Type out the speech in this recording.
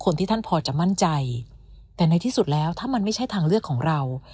ท่านพอจะมั่นใจแต่ในที่สุดแล้วถ้ามันไม่ใช่ทางเลือกของเรา